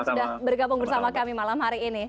sudah bergabung bersama kami malam hari ini